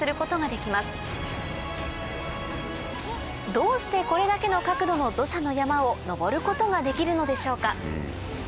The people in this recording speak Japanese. どうしてこれだけの角度の土砂の山を上ることができるのでしょうか？